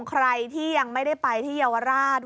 ใครที่ยังไม่ได้ไปที่เยาวราช